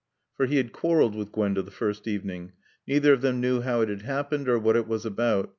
For he had quarreled with Gwenda the first evening. Neither of them knew how it had happened or what it was about.